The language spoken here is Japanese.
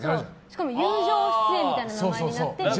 しかも友情出演みたいになってて。